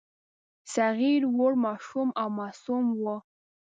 صغیر وړ، ماشوم او معصوم وو.